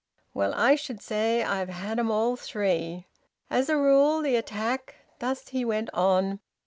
Well, I should say I'd had 'em all three. `As a rule the attack '" Thus he went on.